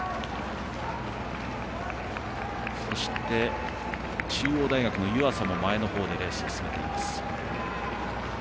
そして、中央大学の湯浅も前のほうでレースを進めています。